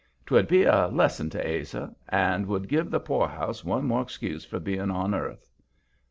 'Twould be a lesson to Ase, and would give the poorhouse one more excuse for being on earth.